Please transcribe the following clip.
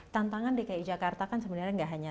tantangan dki jakarta kan sebenarnya nggak hanya